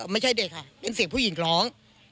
ไม่ใช่เด็กค่ะเป็นเสียงผู้หญิงร้อง